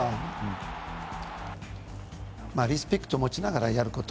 リスペクトを持ちながらやること。